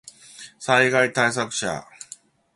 災害対策車